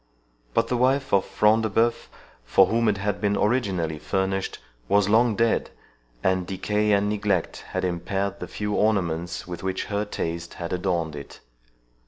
But the wife of Front de Bœuf, for whom it had been originally furnished, was long dead, and decay and neglect had impaired the few ornaments with which her taste had adorned it.